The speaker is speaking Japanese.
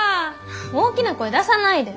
大きな声出さないで。